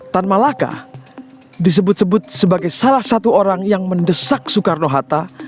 tan malaka disebut sebut sebagai salah satu orang yang mendesak soekarno hatta